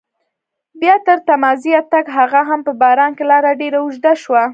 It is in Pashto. بیا تر تمځایه تګ هغه هم په باران کې لاره ډېره اوږده شوه.